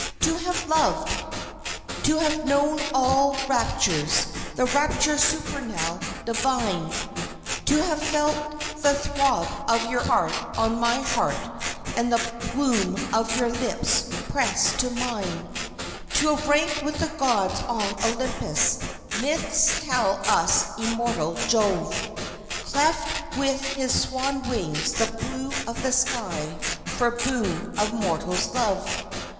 To have loved! To have known of all raptures, the rapture supernal, divine, To have felt the throb of your heart on my heart and the bloom of your lips pressed to mine; To have ranked with the gods on Olympus myths tell us immortal Jove Cleft with his swan wings the blue of the sky for boon of a mortal's love....